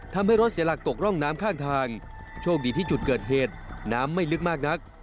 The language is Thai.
ทำให้รถเสียหลักตกร่องน้ำข้างทางโชคดีที่จุดเกิดเหตุน้ำไม่ลึกมากนัก